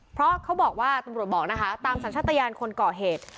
เพราะเขาบอกว่าตำรวจบอกนะคะตามสัญชาติยานคนก่อเหตุ